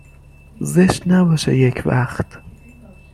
زشت نباشه یک وقت